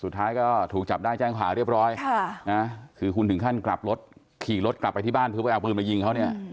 สุดท้ายก็ถูกจับได้แจ้งขาเรียบร้อยคือคุณถึงขั้นกลับรถขี่รถกลับไปที่บ้านเพื่อไปเอาปืนมายิงเขาเนี่ย